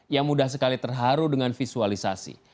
yang mudah sekali terharu dengan visualisasi